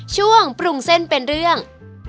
ช่วงปรุงเส้นเป็นเรื่อง